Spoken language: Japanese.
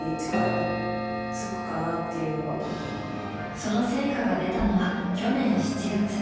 その成果が出たのは去年７月。